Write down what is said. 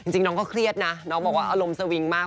น้องก็เครียดนะน้องบอกว่าอารมณ์สวิงมาก